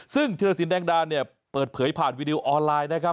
ซึ่งธีรสินแดงดาเนี่ยเปิดเผยผ่านวีดีโอออนไลน์นะครับ